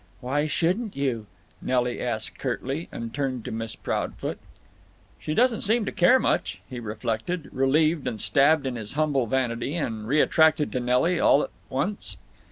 "Why shouldn't you?" Nelly asked, curtly, and turned to Miss Proudfoot. "She doesn't seem to care much," he reflected, relieved and stabbed in his humble vanity and reattracted to Nelly, all at once.